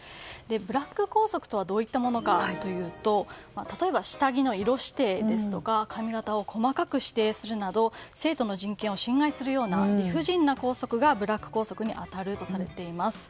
ブラック校則とはどういったものかというと例えば、下着の色指定や髪形を細かく指定するなど生徒の人権を侵害するような理不尽な校則がブラック校則に当たるとされています。